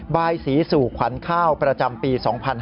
บายศรีสู่ขวัญข้าวประจำปี๒๕๕๙